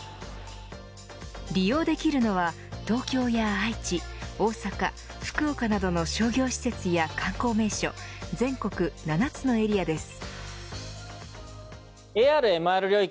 利用できるのは東京や愛知、大阪福岡などの商業施設や観光名所全国７つのエリアです。